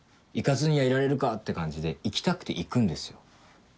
行かずにはいられるかって感じで行きたくて行くんです。